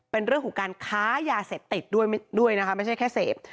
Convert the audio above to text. เป็นเรื่องของการค้ายาเสพติดด้วยนะคะไม่ใช่แค่เสพ